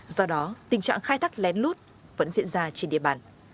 do đó tình trạng khai thác lén lút vẫn diễn ra trên địa bàn